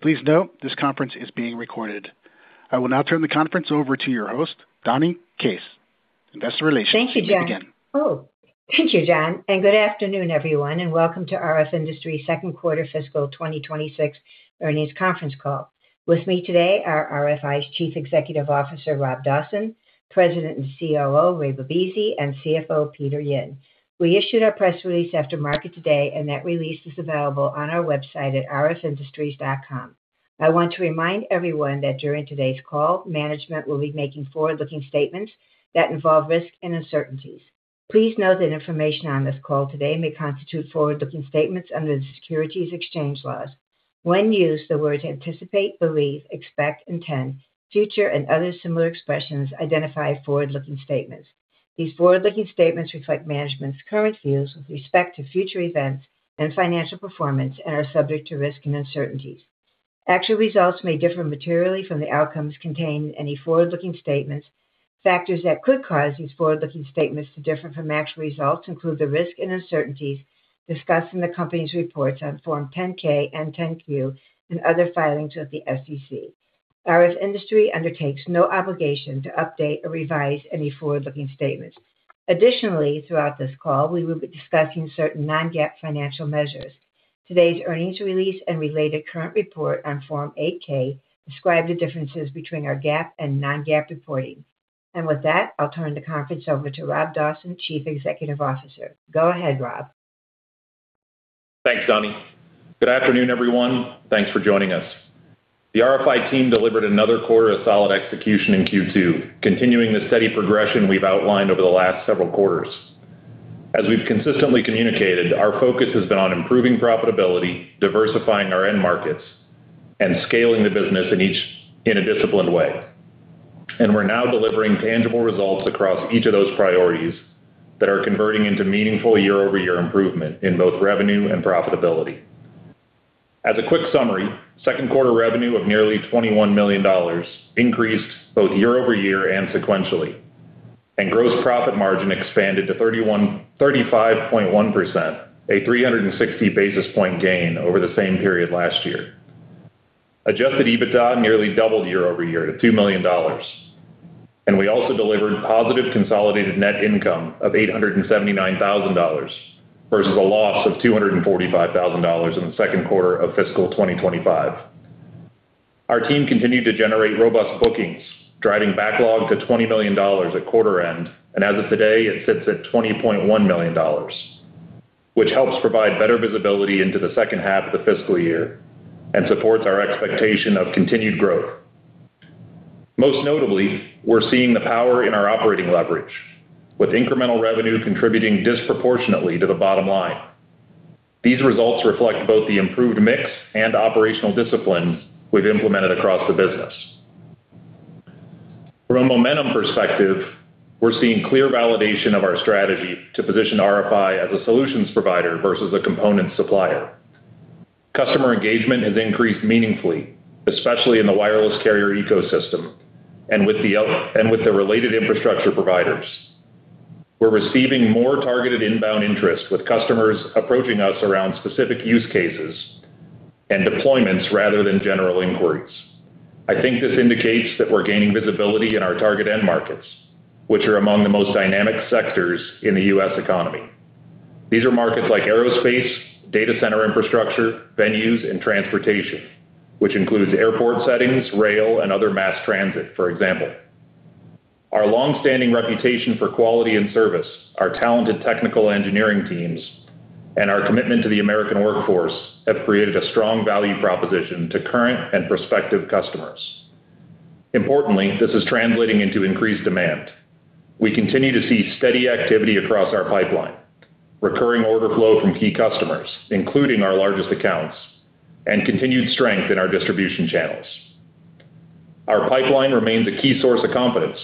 Please note this conference is being recorded. I will now turn the conference over to your host, Donni Case, Investor Relations. You can begin. Thank you, John. Good afternoon, everyone, and welcome to RF Industries' second quarter fiscal 2026 earnings conference call. With me today are RFI's Chief Executive Officer, Rob Dawson, President and COO, Ray Bibisi, and CFO, Peter Yin. We issued our press release after market today, and that release is available on our website at rfindustries.com. I want to remind everyone that during today's call, management will be making forward-looking statements that involve risks and uncertainties. Please note that information on this call today may constitute forward-looking statements under the securities exchange laws. When used, the words anticipate, believe, expect, intend, future, and other similar expressions identify forward-looking statements. These forward-looking statements reflect management's current views with respect to future events and financial performance and are subject to risks and uncertainties. Actual results may differ materially from the outcomes contained in any forward-looking statements. Factors that could cause these forward-looking statements to differ from actual results include the risks and uncertainties discussed in the company's reports on Form 10-K and 10-Q and other filings with the SEC. RF Industries undertakes no obligation to update or revise any forward-looking statements. Additionally, throughout this call, we will be discussing certain non-GAAP financial measures. Today's earnings release and related current report on Form 8-K describe the differences between our GAAP and non-GAAP reporting. With that, I'll turn the conference over to Rob Dawson, Chief Executive Officer. Go ahead, Rob. Thanks, Donni. Good afternoon, everyone. Thanks for joining us. The RFI team delivered another quarter of solid execution in Q2, continuing the steady progression we've outlined over the last several quarters. As we've consistently communicated, our focus has been on improving profitability, diversifying our end markets, and scaling the business in a disciplined way. We're now delivering tangible results across each of those priorities that are converting into meaningful year-over-year improvement in both revenue and profitability. As a quick summary, second quarter revenue of nearly $21 million increased both year-over-year and sequentially, gross profit margin expanded to 35.1%, a 360-basis point gain over the same period last year. Adjusted EBITDA nearly doubled year-over-year to $2 million. We also delivered positive consolidated net income of $879,000 versus a loss of $245,000 in the second quarter of fiscal 2025. Our team continued to generate robust bookings, driving backlog to $20 million at quarter end. As of today, it sits at $20.1 million, which helps provide better visibility into the second half of the fiscal year and supports our expectation of continued growth. Most notably, we're seeing the power in our operating leverage, with incremental revenue contributing disproportionately to the bottom line. These results reflect both the improved mix and operational discipline we've implemented across the business. From a momentum perspective, we're seeing clear validation of our strategy to position RFI as a solutions provider versus a component supplier. Customer engagement has increased meaningfully, especially in the wireless carrier ecosystem and with the related infrastructure providers. We're receiving more targeted inbound interest with customers approaching us around specific use cases and deployments rather than general inquiries. I think this indicates that we're gaining visibility in our target end markets, which are among the most dynamic sectors in the U.S. economy. These are markets like Aerospace, data center infrastructure, venues, and transportation, which includes airport settings, rail, and other mass transit, for example. Our longstanding reputation for quality and service, our talented technical engineering teams, and our commitment to the American workforce have created a strong value proposition to current and prospective customers. Importantly, this is translating into increased demand. We continue to see steady activity across our pipeline, recurring order flow from key customers, including our largest accounts, and continued strength in our distribution channels. Our pipeline remains a key source of confidence.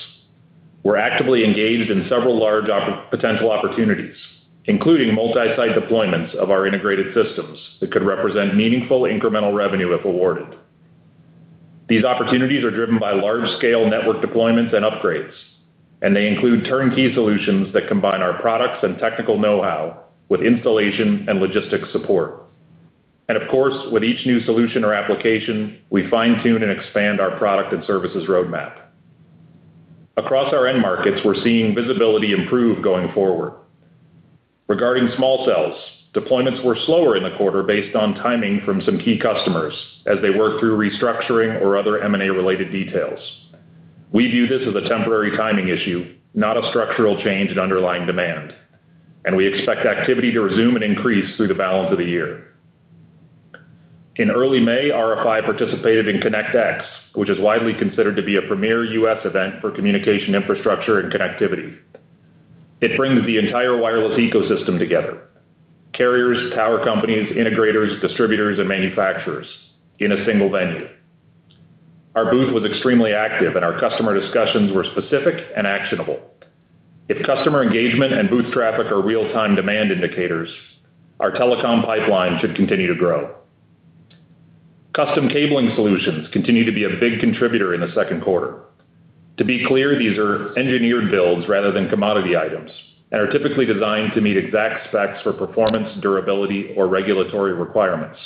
We're actively engaged in several large potential opportunities, including multi-site deployments of our integrated systems that could represent meaningful incremental revenue if awarded. These opportunities are driven by large-scale network deployments and upgrades, and they include turnkey solutions that combine our products and technical know-how with installation and logistics support. Of course, with each new solution or application, we fine-tune and expand our product and services roadmap. Across our end markets, we're seeing visibility improve going forward. Regarding small cells, deployments were slower in the quarter based on timing from some key customers as they work through restructuring or other M&A-related details. We view this as a temporary timing issue, not a structural change in underlying demand, and we expect activity to resume and increase through the balance of the year. In early May, RFI participated in Connect (X), which is widely considered to be a premier U.S. event for communication infrastructure and connectivity. It brings the entire wireless ecosystem together, carriers, tower companies, integrators, distributors, and manufacturers in a single venue. Our booth was extremely active. Our customer discussions were specific and actionable. If customer engagement and booth traffic are real-time demand indicators, our telecom pipeline should continue to grow. Custom cabling solutions continue to be a big contributor in the second quarter. To be clear, these are engineered builds rather than commodity items and are typically designed to meet exact specs for performance, durability, or regulatory requirements.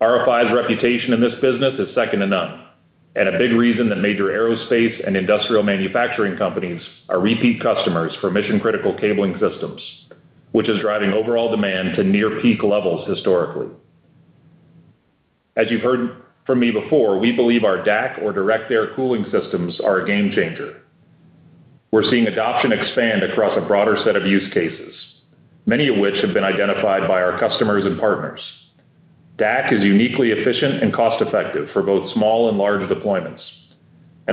RFI's reputation in this business is second to none and a big reason that major Aerospace and industrial manufacturing companies are repeat customers for mission-critical cabling systems, which is driving overall demand to near-peak levels historically. As you've heard from me before, we believe our DAC or direct air cooling systems are a game changer. We're seeing adoption expand across a broader set of use cases, many of which have been identified by our customers and partners. DAC is uniquely efficient and cost-effective for both small and large deployments.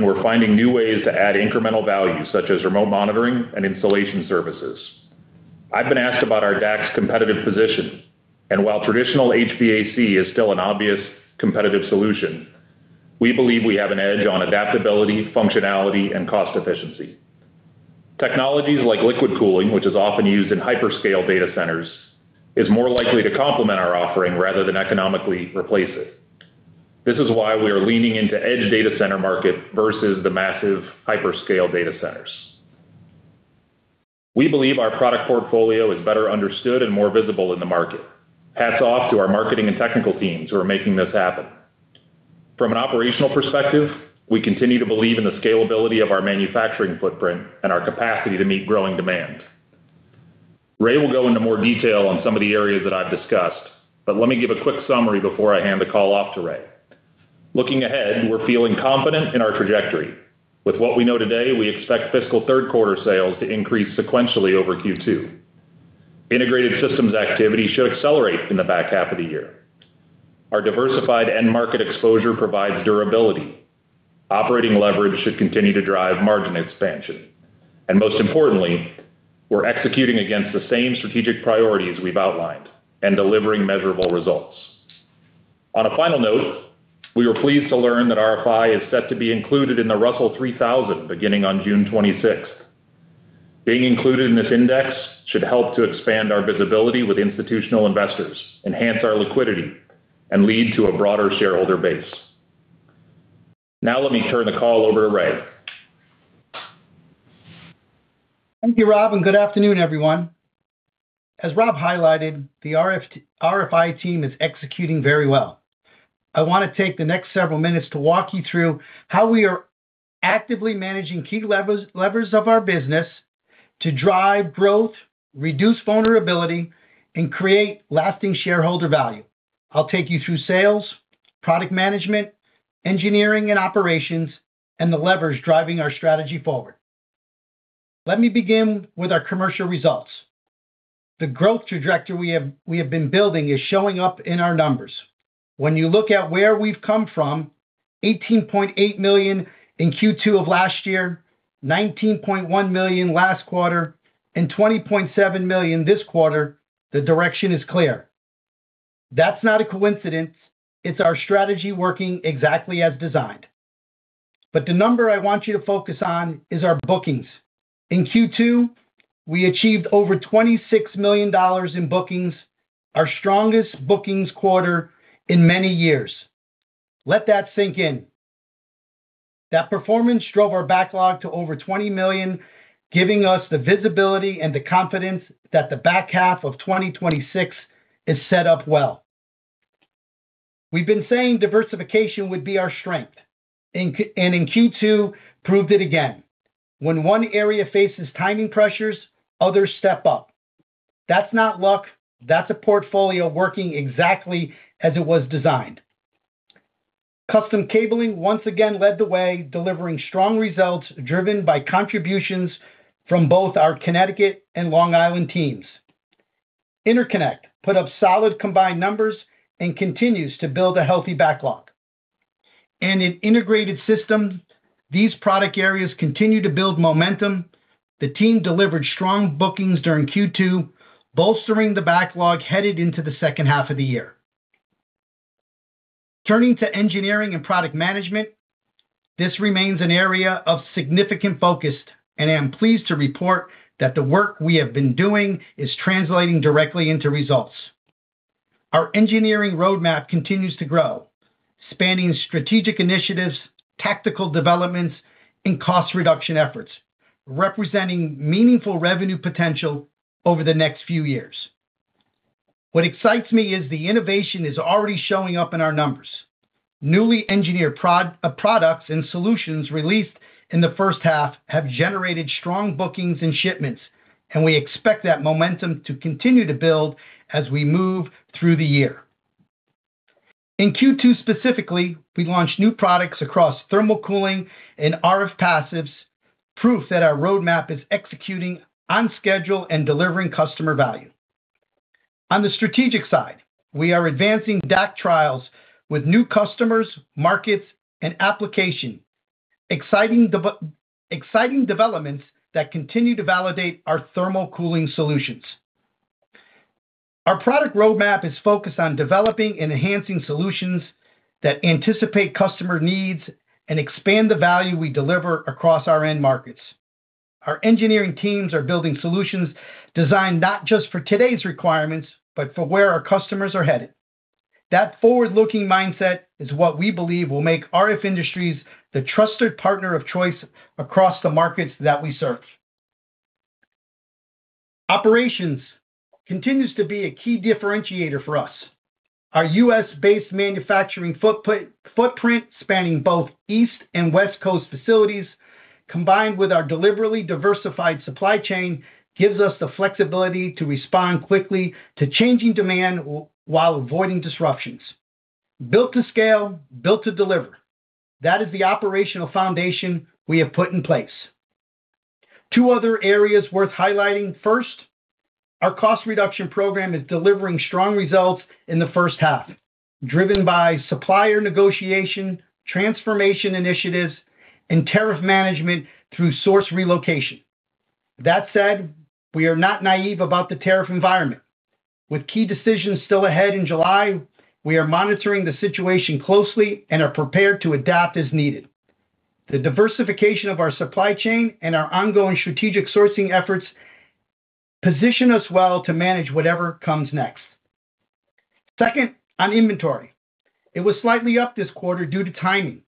We're finding new ways to add incremental value, such as remote monitoring and installation services. I've been asked about our DAC's competitive position. While traditional HVAC is still an obvious competitive solution, we believe we have an edge on adaptability, functionality, and cost efficiency. Technologies like liquid cooling, which is often used in hyperscale data centers, is more likely to complement our offering rather than economically replace it. This is why we are leaning into edge data center market versus the massive hyperscale data centers. We believe our product portfolio is better understood and more visible in the market. Hats off to our marketing and technical teams who are making this happen. From an operational perspective, we continue to believe in the scalability of our manufacturing footprint and our capacity to meet growing demand. Ray will go into more detail on some of the areas that I've discussed. Let me give a quick summary before I hand the call off to Ray. Looking ahead, we're feeling confident in our trajectory. With what we know today, we expect fiscal third-quarter sales to increase sequentially over Q2. Integrated systems activity should accelerate in the back half of the year. Our diversified end-market exposure provides durability. Operating leverage should continue to drive margin expansion. Most importantly, we're executing against the same strategic priorities we've outlined and delivering measurable results. On a final note, we were pleased to learn that RFI is set to be included in the Russell 3000 beginning on June 26th. Being included in this index should help to expand our visibility with institutional investors, enhance our liquidity, and lead to a broader shareholder base. Now let me turn the call over to Ray. Thank you, Rob, and good afternoon, everyone. As Rob highlighted, the RFI team is executing very well. I want to take the next several minutes to walk you through how we are actively managing key levers of our business to drive growth, reduce vulnerability, and create lasting shareholder value. I'll take you through sales, product management, engineering and operations, and the levers driving our strategy forward. Let me begin with our commercial results. The growth trajectory we have been building is showing up in our numbers. When you look at where we've come from, $18.8 million in Q2 of last year, $19.1 million last quarter, and $20.7 million this quarter, the direction is clear. That's not a coincidence. It's our strategy working exactly as designed. The number I want you to focus on is our bookings. In Q2, we achieved over $26 million in bookings, our strongest bookings quarter in many years. Let that sink in. That performance drove our backlog to over $20 million, giving us the visibility and the confidence that the back half of 2026 is set up well. We've been saying diversification would be our strength, and in Q2 proved it again. When one area faces timing pressures, others step up. That's not luck. That's a portfolio working exactly as it was designed. Custom cabling once again led the way, delivering strong results driven by contributions from both our Connecticut and Long Island teams. Interconnect put up solid combined numbers and continues to build a healthy backlog. In Integrated systems, these product areas continue to build momentum. The team delivered strong bookings during Q2, bolstering the backlog headed into the second half of the year. Turning to engineering and product management, this remains an area of significant focus, and I am pleased to report that the work we have been doing is translating directly into results. Our engineering roadmap continues to grow, spanning strategic initiatives, tactical developments, and cost reduction efforts, representing meaningful revenue potential over the next few years. What excites me is the innovation is already showing up in our numbers. Newly engineered products and solutions released in the first half have generated strong bookings and shipments, and we expect that momentum to continue to build as we move through the year. In Q2 specifically, we launched new products across thermal cooling and RF passives, proof that our roadmap is executing on schedule and delivering customer value. On the strategic side, we are advancing DAC trials with new customers, markets, and application, exciting developments that continue to validate our thermal cooling solutions. Our product roadmap is focused on developing and enhancing solutions that anticipate customer needs and expand the value we deliver across our end markets. Our engineering teams are building solutions designed not just for today's requirements, but for where our customers are headed. That forward-looking mindset is what we believe will make RF Industries the trusted partner of choice across the markets that we serve. Operations continues to be a key differentiator for us. Our U.S.-based manufacturing footprint spanning both East and West Coast facilities, combined with our deliberately diversified supply chain, gives us the flexibility to respond quickly to changing demand while avoiding disruptions. Built to scale, built to deliver. That is the operational foundation we have put in place. Two other areas worth highlighting. First, our cost reduction program is delivering strong results in the first half, driven by supplier negotiation, transformation initiatives, and tariff management through source relocation. That said, we are not naive about the tariff environment. With key decisions still ahead in July, we are monitoring the situation closely and are prepared to adapt as needed. The diversification of our supply chain and our ongoing strategic sourcing efforts position us well to manage whatever comes next. Second, on inventory. It was slightly up this quarter due to timing.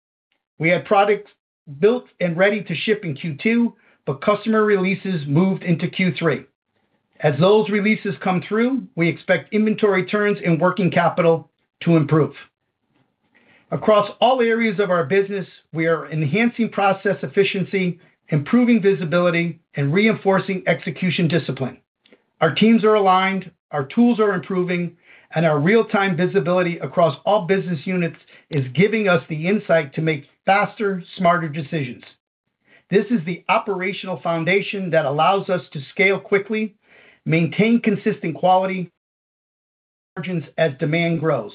We had products built and ready to ship in Q2, but customer releases moved into Q3. As those releases come through, we expect inventory turns and working capital to improve. Across all areas of our business, we are enhancing process efficiency, improving visibility, and reinforcing execution discipline. Our teams are aligned, our tools are improving, and our real-time visibility across all business units is giving us the insight to make faster, smarter decisions. This is the operational foundation that allows us to scale quickly, maintain consistent quality, and margins as demand grows.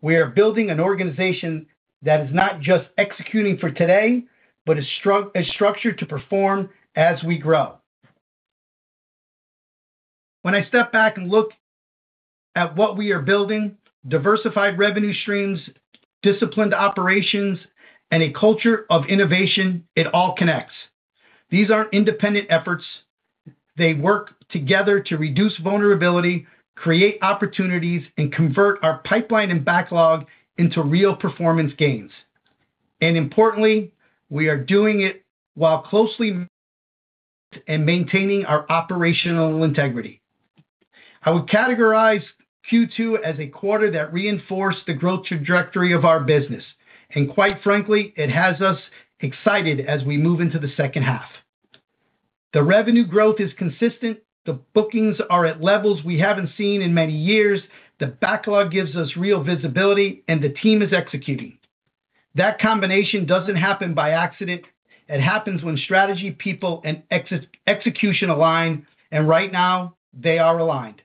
We are building an organization that is not just executing for today, but is structured to perform as we grow. When I step back and look at what we are building, diversified revenue streams, disciplined operations, and a culture of innovation, it all connects. These aren't independent efforts. They work together to reduce vulnerability, create opportunities, and convert our pipeline and backlog into real performance gains. Importantly, we are doing it while maintaining our operational integrity. I would categorize Q2 as a quarter that reinforced the growth trajectory of our business. Quite frankly, it has us excited as we move into the second half. The revenue growth is consistent, the bookings are at levels we haven't seen in many years, the backlog gives us real visibility, and the team is executing. That combination doesn't happen by accident. It happens when strategy, people, and execution align, and right now they are aligned.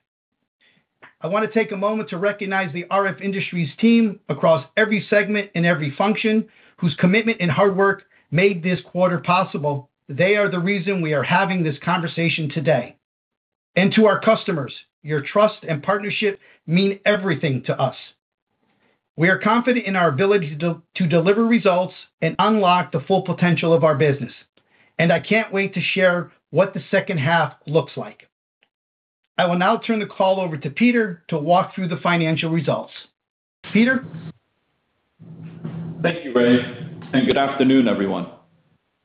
I want to take a moment to recognize the RF Industries team across every segment and every function whose commitment and hard work made this quarter possible. They are the reason we are having this conversation today. To our customers, your trust and partnership mean everything to us. We are confident in our ability to deliver results and unlock the full potential of our business. I can't wait to share what the second half looks like. I will now turn the call over to Peter to walk through the financial results. Peter? Thank you, Ray, and good afternoon, everyone.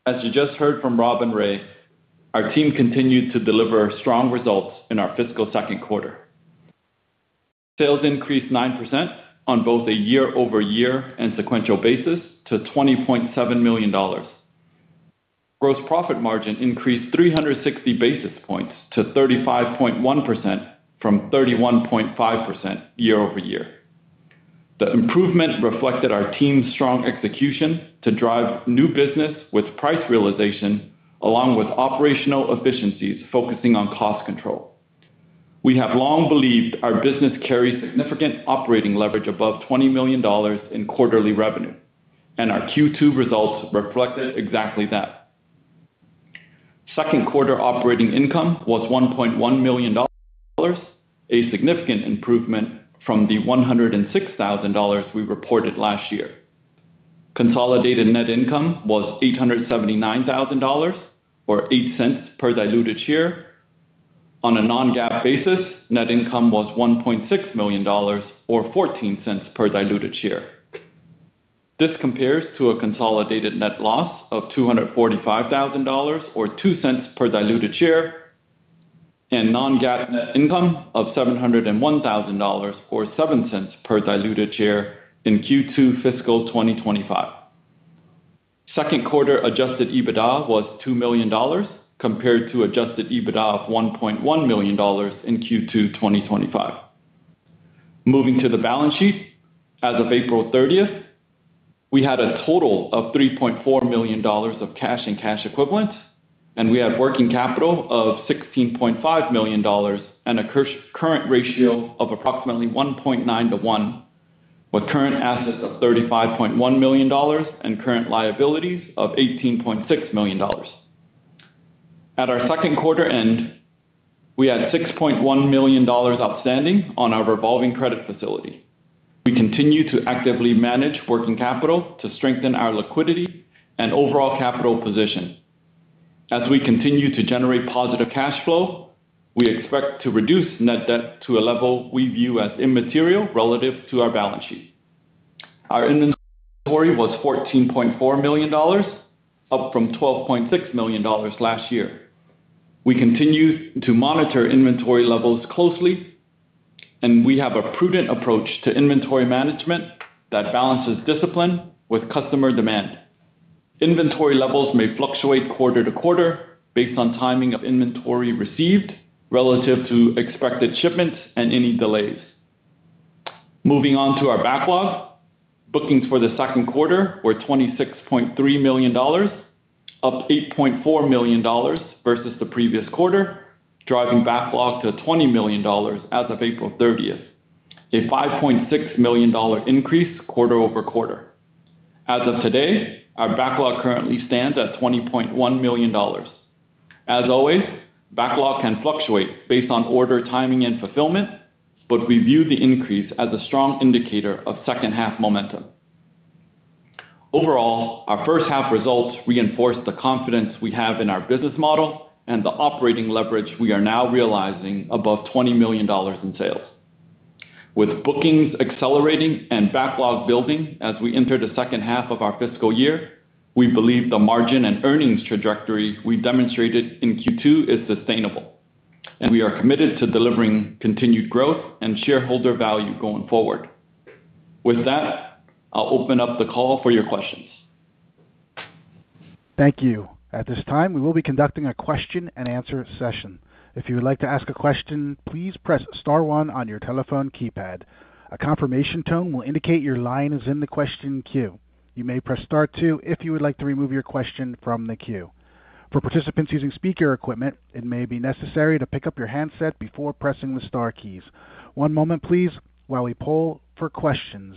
As you just heard from Rob and Ray, our team continued to deliver strong results in our fiscal second quarter. Sales increased 9% on both a year-over-year and sequential basis to $20.7 million. Gross profit margin increased 360 basis points to 35.1% from 31.5% year-over-year. The improvement reflected our team's strong execution to drive new business with price realization, along with operational efficiencies focusing on cost control. We have long believed our business carries significant operating leverage above $20 million in quarterly revenue, and our Q2 results reflected exactly that. Second quarter operating income was $1.1 million, a significant improvement from the $106,000 we reported last year. Consolidated net income was $879,000, or $0.08 per diluted share. On a non-GAAP basis, net income was $1.6 million, or $0.14 per diluted share. This compares to a consolidated net loss of $245,000, or $0.02 per diluted share, and non-GAAP net income of $701,000, or $0.07 per diluted share in Q2 fiscal 2025. Second quarter adjusted EBITDA was $2 million, compared to adjusted EBITDA of $1.1 million in Q2 2025. Moving to the balance sheet. As of April 30th, we had a total of $3.4 million of cash and cash equivalents, and we have working capital of $16.5 million and a current ratio of approximately 1.9:1, with current assets of $35.1 million and current liabilities of $18.6 million. At our second quarter end, we had $6.1 million outstanding on our revolving credit facility. We continue to actively manage working capital to strengthen our liquidity and overall capital position. We continue to generate positive cash flow, we expect to reduce net debt to a level we view as immaterial relative to our balance sheet. Our inventory was $14.4 million, up from $12.6 million last year. We continue to monitor inventory levels closely, and we have a prudent approach to inventory management that balances discipline with customer demand. Inventory levels may fluctuate quarter to quarter based on timing of inventory received relative to expected shipments and any delays. Moving on to our backlog. Bookings for the second quarter were $26.3 million, up $8.4 million versus the previous quarter, driving backlog to $20 million as of April 30th, a $5.6 million increase quarter-over-quarter. As of today, our backlog currently stands at $20.1 million. As always, backlog can fluctuate based on order timing and fulfillment. We view the increase as a strong indicator of second half momentum. Overall, our first half results reinforce the confidence we have in our business model and the operating leverage we are now realizing above $20 million in sales. With bookings accelerating and backlog building as we enter the second half of our fiscal year, we believe the margin and earnings trajectory we demonstrated in Q2 is sustainable. We are committed to delivering continued growth and shareholder value going forward. With that, I'll open up the call for your questions. Thank you. At this time, we will be conducting a question and answer session. If you would like to ask a question, please press star one on your telephone keypad. A confirmation tone will indicate your line is in the question queue. You may press star two if you would like to remove your question from the queue. For participants using speaker equipment, it may be necessary to pick up your handset before pressing the star keys. One moment, please, while we poll for questions.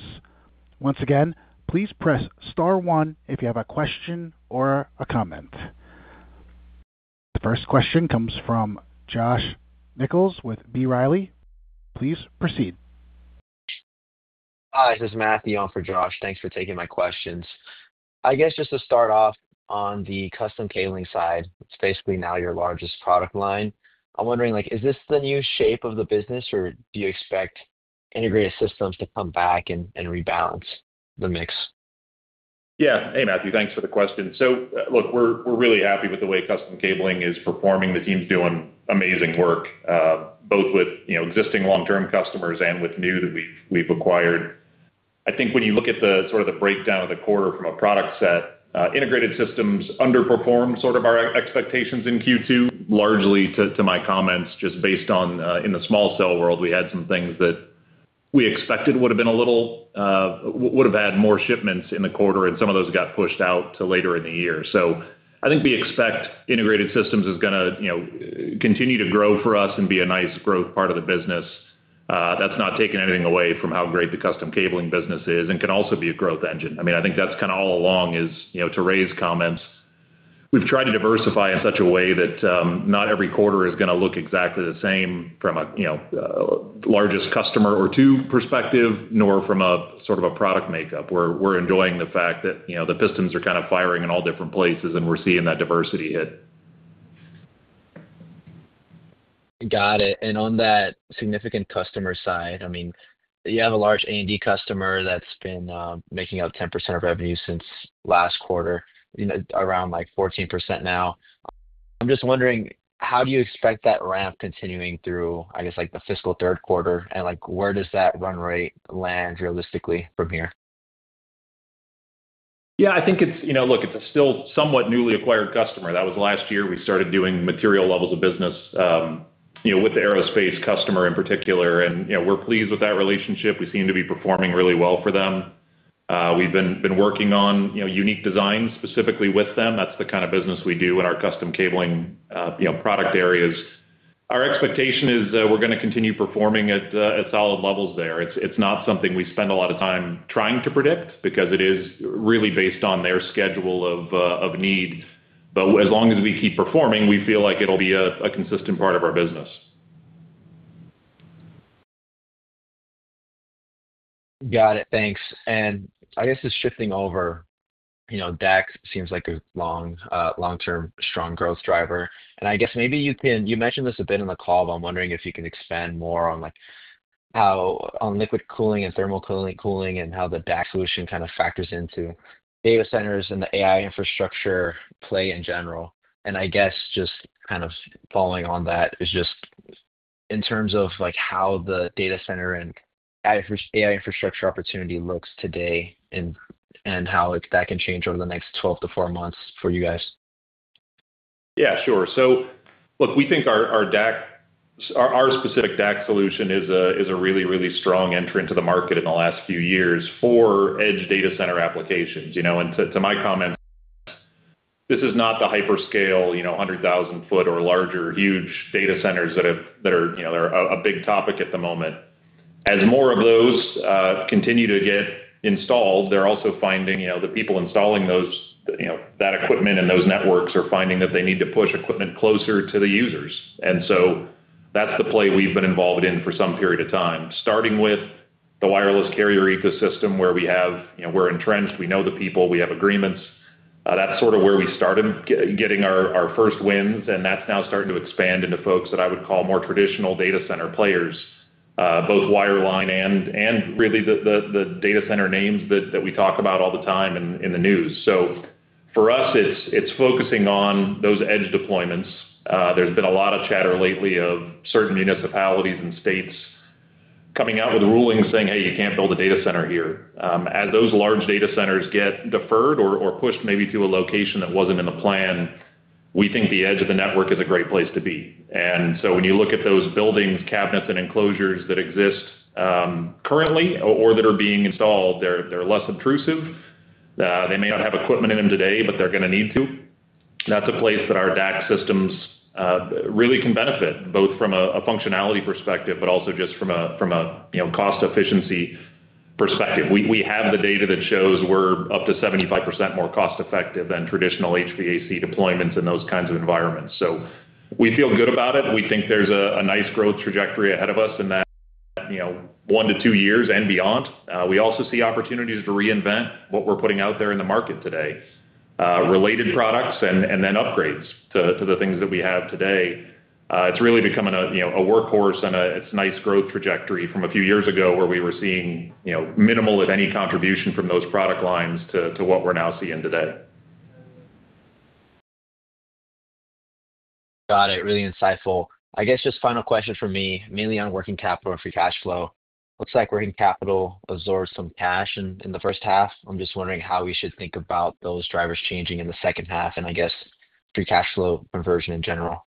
Once again, please press star one if you have a question or a comment. The first question comes from Josh Nichols with B. Riley. Please proceed. Hi, this is Matthew on for Josh. Thanks for taking my questions. I guess just to start off on the custom cabling side, it's basically now your largest product line. I'm wondering, is this the new shape of the business, or do you expect integrated systems to come back and rebalance the mix? Yeah. Hey, Matthew, thanks for the question. Look, we're really happy with the way custom cabling is performing. The team's doing amazing work, both with existing long-term customers and with new that we've acquired. I think when you look at the sort of the breakdown of the quarter from a product set, integrated systems underperformed sort of our expectations in Q2, largely to my comments, just based on, in the small cell world, we had some things that we expected would have had more shipments in the quarter, and some of those got pushed out to later in the year. I think we expect integrated systems is going to continue to grow for us and be a nice growth part of the business. That's not taking anything away from how great the custom cabling business is and can also be a growth engine. I think that's kind of all along is, to Ray's comments, we've tried to diversify in such a way that not every quarter is going to look exactly the same from a largest customer or two perspective, nor from a sort of a product makeup. We're enjoying the fact that the pistons are kind of firing in all different places and we're seeing that diversity hit. Got it. On that significant customer side, you have a large A&D customer that's been making up 10% of revenue since last quarter, around 14% now. I'm just wondering, how do you expect that ramp continuing through, I guess, the fiscal third quarter, and where does that run rate land realistically from here? I think it's still somewhat newly acquired customer. That was last year we started doing material levels of business with the Aerospace customer in particular, and we're pleased with that relationship. We seem to be performing really well for them. We've been working on unique designs specifically with them. That's the kind of business we do in our custom cabling product areas. Our expectation is that we're going to continue performing at solid levels there. It's not something we spend a lot of time trying to predict because it is really based on their schedule of need. As long as we keep performing, we feel like it'll be a consistent part of our business. Got it. Thanks. I guess just shifting over, DAC seems like a long-term strong growth driver, and I guess maybe you can. You mentioned this a bit in the call, but I'm wondering if you can expand more on liquid cooling and thermal cooling, and how the DAC solution kind of factors into data centers and the AI infrastructure play in general. I guess just kind of following on that is just in terms of how the data center and AI infrastructure opportunity looks today and how that can change over the next 12-4 months for you guys. Yeah, sure. Look, we think our specific DAC solution is a really, really strong entrant to the market in the last few years for edge data center applications. To my comments, this is not the hyperscale 100,000 foot or larger, huge data centers that are a big topic at the moment. As more of those continue to get installed, they're also finding the people installing that equipment and those networks are finding that they need to push equipment closer to the users. That's the play we've been involved in for some period of time. Starting with the wireless carrier ecosystem where we're entrenched, we know the people, we have agreements. That's sort of where we started getting our first wins, and that's now starting to expand into folks that I would call more traditional data center players, both wireline and really the data center names that we talk about all the time in the news. For us, it's focusing on those edge deployments. There's been a lot of chatter lately of certain municipalities and states coming out with rulings saying, "Hey, you can't build a data center here." As those large data centers get deferred or pushed maybe to a location that wasn't in the plan, we think the edge of the network is a great place to be. When you look at those buildings, cabinets, and enclosures that exist currently or that are being installed, they're less obtrusive. They may not have equipment in them today, but they're going to need to. That's a place that our DAC systems really can benefit, both from a functionality perspective, but also just from a cost efficiency perspective. We have the data that shows we're up to 75% more cost-effective than traditional HVAC deployments in those kinds of environments. We feel good about it. We think there's a nice growth trajectory ahead of us in that one to two years and beyond. We also see opportunities to reinvent what we're putting out there in the market today, related products and then upgrades to the things that we have today. It's really becoming a workhorse, and it's nice growth trajectory from a few years ago where we were seeing minimal, if any, contribution from those product lines to what we're now seeing today. Got it. Really insightful. Just final question from me, mainly on working capital and free cash flow. Looks like working capital absorbed some cash in the first half. I'm just wondering how we should think about those drivers changing in the second half and free cash flow conversion in general.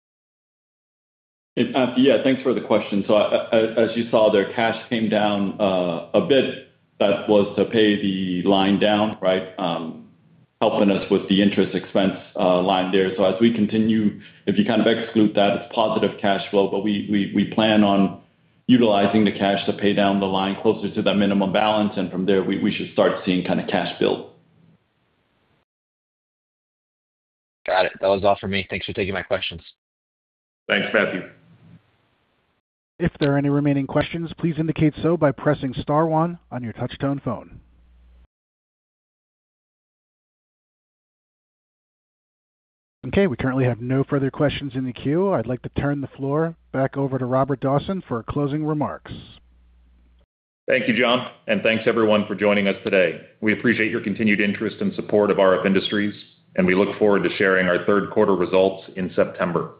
Yeah. Thanks for the question. As you saw there, cash came down a bit. That was to pay the line down, right? Helping us with the interest expense line there. As we continue, if you kind of exclude that, it's positive cash flow, but we plan on utilizing the cash to pay down the line closer to that minimum balance, and from there, we should start seeing kind of cash build. Got it. That was all for me. Thanks for taking my questions. Thanks, Matthew. If there are any remaining questions, please indicate so by pressing *1 on your touchtone phone. Okay, we currently have no further questions in the queue. I'd like to turn the floor back over to Robert Dawson for closing remarks. Thank you, John, and thanks everyone for joining us today. We appreciate your continued interest and support of RF Industries, and we look forward to sharing our third quarter results in September.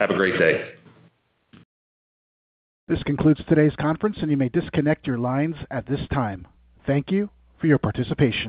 Have a great day. This concludes today's conference, and you may disconnect your lines at this time. Thank you for your participation.